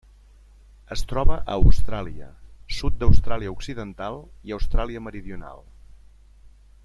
Es troba a Austràlia: sud d'Austràlia Occidental i Austràlia Meridional.